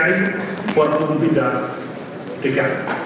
bapak bupi dha dki